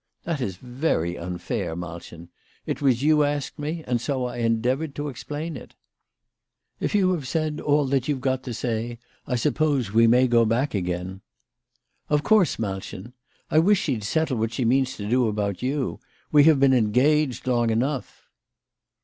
" That is very unfair, Malchen. It was you asked me, and so I endeavoured to explain it." "If you have said all that you've got to say, I suppose we may go back again." " Of course, Malchen, I wish she'd settle what she means to do about you. We have been engaged long enough."